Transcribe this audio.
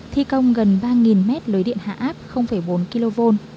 thi công gần ba mét lưới điện hạ áp bốn kv